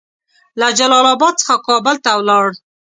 له جلال اباد څخه کابل ته ولاړ.